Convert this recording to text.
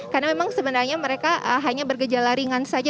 karena memang sebenarnya mereka hanya bergejala ringan saja